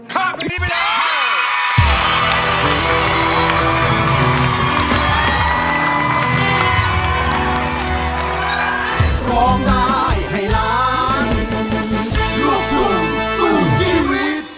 ข้ามปีไปแล้ว